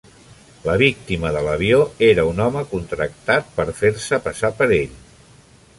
La víctima de l'avió era un home contractat per fer-se passar per ell.